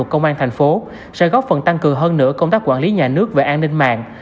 công an thành phố sẽ góp phần tăng cường hơn nữa công tác quản lý nhà nước về an ninh mạng